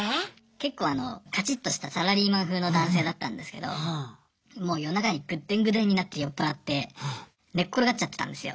けっこうかちっとしたサラリーマン風の男性だったんですけどもう夜中にぐでんぐでんになって酔っ払って寝っ転がっちゃってたんですよ。